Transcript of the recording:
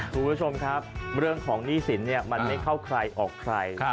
คุณผู้ชมครับเรื่องของหนี้สินมันไม่เข้าใครออกใคร